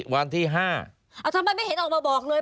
เอาทำไมไม่เห็นออกมาบอกเลย